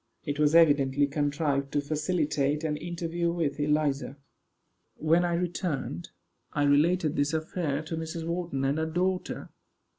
It was evidently contrived to facilitate an interview with Eliza. When I returned, I related this affair to Mrs. Wharton and her daughter.